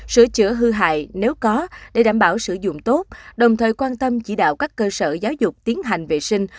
sửa chữa hư hại nếu có để đảm bảo sử dụng tốt đồng thời quan tâm chỉ đạo các cơ sở giáo dục tiến hành vệ sinh